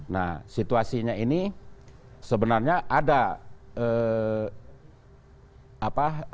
nah situasinya ini sebenarnya ada apa